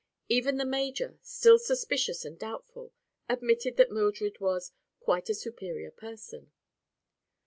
Even the major, still suspicious and doubtful, admitted that Mildred was "quite a superior person."